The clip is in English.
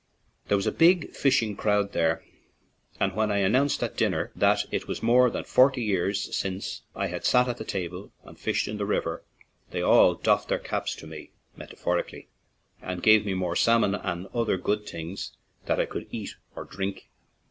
There was a big fishing crowd there, and when I announced at dinner that it was more than forty years since I had sat at that table and fished in the river, they all doffed their caps to me — metaphorically — and gave me more salmon and other good things than I could eat or drink.